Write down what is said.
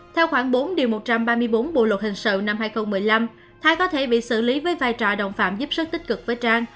theo khoảng bốn một trăm ba mươi bốn bộ luật hình sự năm hai nghìn một mươi năm thái có thể bị xử lý với vai trò đồng phạm giúp sức tích cực với trang